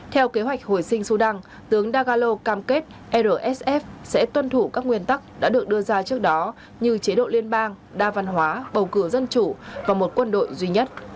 theo kế hoạch hồi sinh sudan tướng dagalo cam kết rsf sẽ tuân thủ các nguyên tắc đã được đưa ra trước đó như chế độ liên bang đa văn hóa bầu cửa dân chủ và một quân đội duy nhất